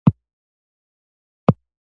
هونانو په ګوپتا امپراتورۍ برید وکړ.